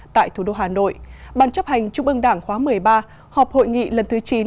tại thủ đô hà nội bàn chấp hành chung mương đảng khóa một mươi ba họp hội nghị lần thứ chín